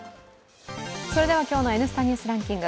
今日の「Ｎスタ・ニュースランキング」